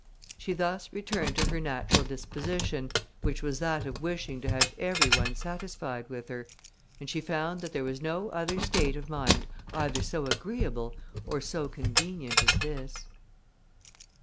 She thus returned to her natural disposition, which was that of wishing to have every one satisfied with her, and she found that there was no other state of mind either so agreeable or so convenient as this.